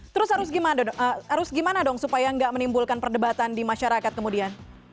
terus harus gimana dong supaya tidak menimbulkan perdebatan di masyarakat kemudian